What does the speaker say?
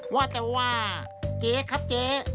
ว่าแต่ว่าเจ๊ครับเจ๊